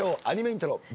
アニメイントロ。